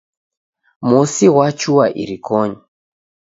Mosi ghwachua irikonyi